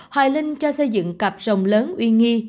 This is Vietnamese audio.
hoài linh cho xây dựng cặp rồng lớn uy nghi